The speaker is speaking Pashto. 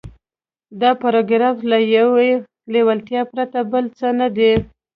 دا پاراګراف له يوې لېوالتیا پرته بل څه نه دی.